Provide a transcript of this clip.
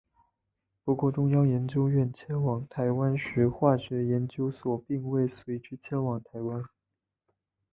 不过中央研究院迁往台湾时化学研究所并未随之迁往台湾。